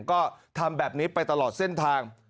ก็ทำแบบนี้ไปตลอดเส้นทาง